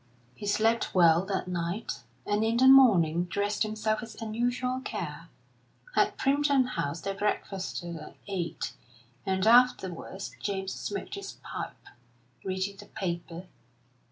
He slept well that night, and in the morning dressed himself with unusual care. At Primpton House they breakfasted at eight, and afterwards James smoked his pipe, reading the newspaper.